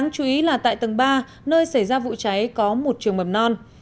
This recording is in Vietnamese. chú ý là tại tầng ba nơi xảy ra vụ cháy có một trường mầm non